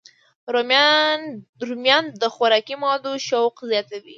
رومیان د خوراکي موادو شوق زیاتوي